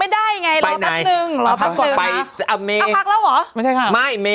ไม่ได้ไงนายอยากนึงหรอพักนึงเอาปั๊กแล้วหรอไม่ใช่ค่ะไม่